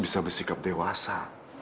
bisa bersikap dewasa